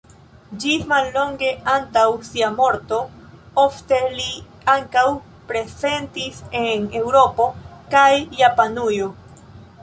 Ĝis mallonge antaŭ sia morto ofte li ankaŭ prezentis en Eŭropo kaj Japanujo.